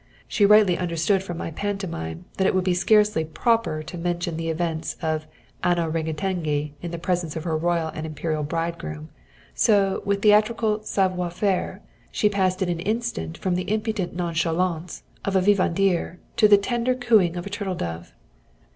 She rightly understood from my pantomime that it would be scarcely proper to mention the events of "Anno Rengetegi" in the presence of her Royal and Imperial bridegroom, so, with theatrical savoir faire, she passed in an instant from the impudent nonchalance of a vivandière to the tender cooing of a turtle dove)